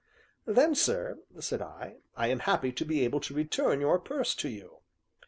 "Then, sir," said I, "I am happy to be able to return your purse to you."